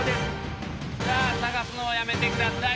さあ捜すのをやめてください。